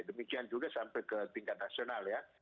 demikian juga sampai ke tingkat nasional ya